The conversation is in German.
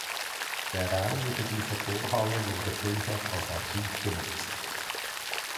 Der Raum über dieser Vorhalle wurde früher als Archiv genutzt.